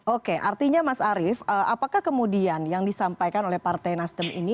oke artinya mas arief apakah kemudian yang disampaikan oleh partai nasdem ini